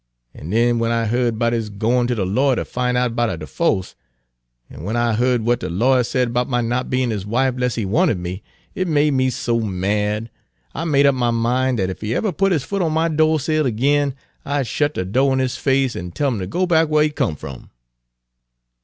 An' den w'en I heared 'bout his goin' ter de lawyer ter fin' out 'bout a defoce, an' w'en I heared w'at de lawyer said 'bout my not bein' his wife 'less he Page 266 wanted me, it made me so mad, I made up my min' dat ef he ever put his foot on my do'sill ag'in, I'd shet de do' in his face an' tell 'im ter go back whar he come f'm."